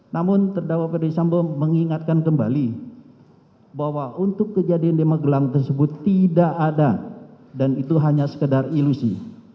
namun terdakwa ferdisambo mengingatkan kembali bahwa untuk kejadian di magelang tersebut tidak ada dan itu hanya sekedar ilusi